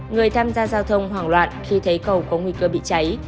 người tham gia giao thông hoảng loạn khi thấy cầu có nguy cơ bị cháy